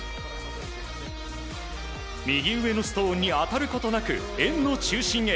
右上のストーンに当たることなく円の中心へ。